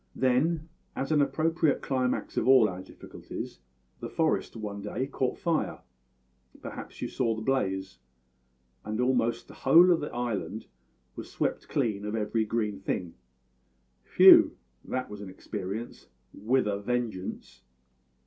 "Then, as an appropriate climax of all our difficulties, the forest one day caught fire perhaps you saw the blaze? and almost the whole of the island was swept clean of every green thing. Phew! that was an experience, with a vengeance!